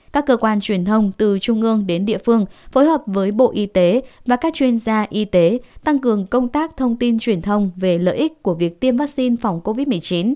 các cơ quan truyền thông từ trung ương đến địa phương phối hợp với bộ y tế và các chuyên gia y tế tăng cường công tác thông tin truyền thông về lợi ích của việc tiêm vaccine phòng covid một mươi chín